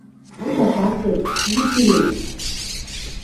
Вычаш ак кел, пиж йӹле!..»